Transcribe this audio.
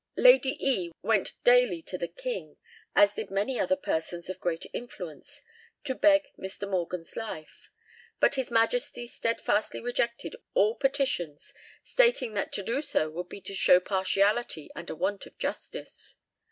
Lady E went daily to the king, as did many other persons of great influence, to beg Mr. Morgan's life; but His Majesty steadfastly rejected all petitions, stating that to do so would be to show partiality and a want of justice.